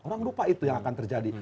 orang lupa itu yang akan terjadi